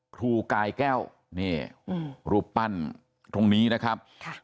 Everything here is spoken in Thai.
ครูกายแก้วนี่รูปปั้นตรงนี้นะครับ